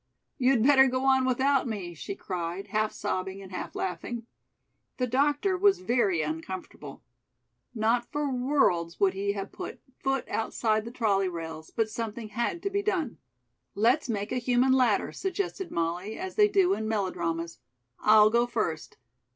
"You'd better go on without me," she cried, half sobbing and half laughing. The doctor was very uncomfortable. Not for worlds would he have put foot outside the trolley rails, but something had to be done. "Let's make a human ladder," suggested Molly, "as they do in melodramas. I'll go first.